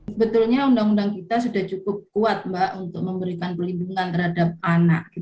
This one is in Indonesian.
sebetulnya undang undang kita sudah cukup kuat mbak untuk memberikan perlindungan terhadap anak